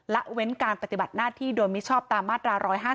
ละเว้นการปฏิบัติหน้าที่โดยมิชอบตามมาตรา๑๕๗